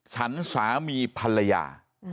ฉันสามีภรรยา